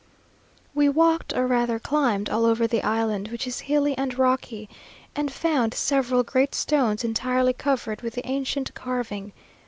We walked, or rather climbed, all over the island, which is hilly and rocky, and found several great stones entirely covered with the ancient carving.